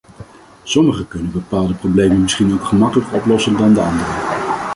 Sommige kunnen bepaalde problemen misschien ook gemakkelijker oplossen dan de andere.